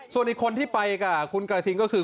ส่วนอีกคนที่ไปกับคุณกระทิงก็คือ